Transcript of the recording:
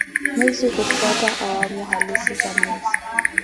Mwezi hufuata awamu halisi za mwezi.